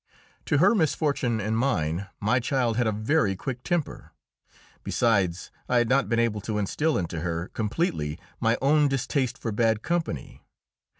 To her misfortune and mine, my child had a very quick temper; besides, I had not been able to instil into her completely my own distaste for bad company.